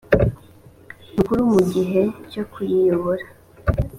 mukuru mu gihe cyo kuyiyobora